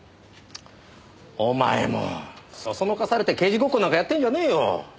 お前もそそのかされて刑事ごっこなんかやってんじゃねえよ。